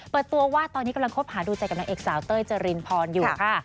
เปิดตัวว่าตอนนี้กำลังคบหาดูใจกับนางเอกสาวเต้ยเจรินพรอยู่ค่ะ